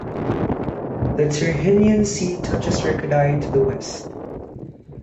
The Tyrrhenian Sea touches Ricadi to the west.